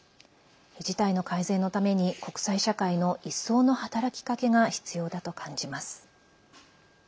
事態の改善のために国際社会の一層の働きかけが必要だと感じます。